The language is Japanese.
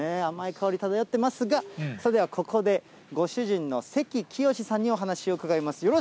甘い香り漂ってますが、それではここで、ご主人の関喜良さんにお話を伺います。